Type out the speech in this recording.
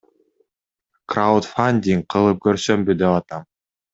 Краудфандинг кылып көрсөмбү деп атам.